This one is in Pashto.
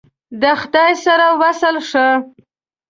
د خدای سره وصل ښه !